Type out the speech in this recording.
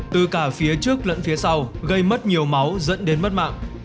từ cả phía trước lẫn phía sau gây mất nhiều máu dẫn đến mất mạng